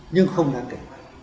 nhưng không đáng kể